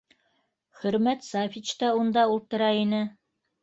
Хөрмәт Сафич та унда ултыра ине